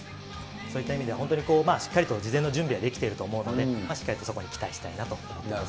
そういった意味では、本当にしっかりと事前の準備はできていると思うので、しっかりとそこに期待したいなと思います。